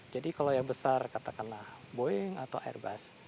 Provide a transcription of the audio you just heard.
jadi kalau yang besar katakanlah boeing atau airbus